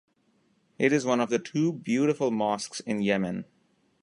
It is one of the two beautiful mosques in Yemen.